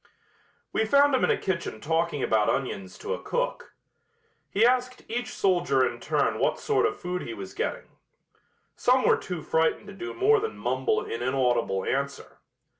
We found him in a kitchen talking about onions to a cook. He asked each soldier in turn what sort of food he was getting. Some were too frightened to do more than mumble an inaudible answer.